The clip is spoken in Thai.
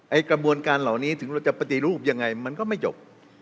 กระบวนการเหล่านี้ถึงเราจะปฏิรูปยังไงมันก็ไม่จบ